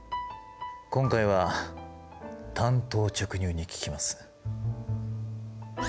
今回は単刀直入に聞きます。